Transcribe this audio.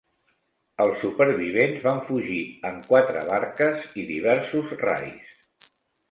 Els supervivents van fugir en quatre barques i diversos rais.